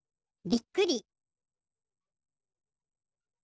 びっくり。